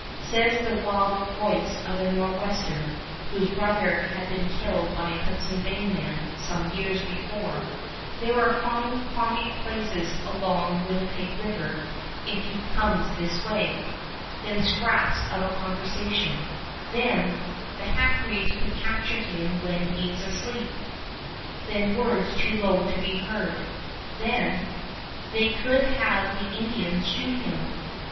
Says the wild voice of a Nor'wester whose brother had been killed by a Hudson's Bay man some years before, "There are fine quiet places along Winnipeg River if he comes this way." ... Then scraps of conversation. ... Then, "The half breeds could capture him when he is asleep." ... Then words too low to be heard. ... Then, "They could have the Indians shoot him." .